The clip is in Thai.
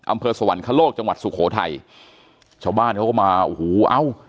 สวรรคโลกจังหวัดสุโขทัยชาวบ้านเขาก็มาโอ้โหเอ้า